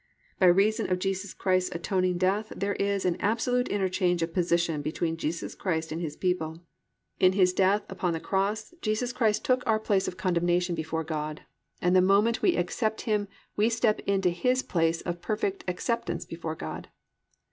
By reason of Jesus Christ's atoning death there is an absolute interchange of position between Jesus Christ and His people. In His death upon the cross Jesus Christ took our place of condemnation before God, and the moment we accept Him we step into His place of perfect acceptance before God.